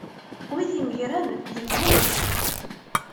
Wid imeggren, d lmuluk.